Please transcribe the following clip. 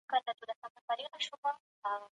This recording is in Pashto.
د دې څانګي له لاری په داخلي ټولنو کي رفتار څیړل کیږي.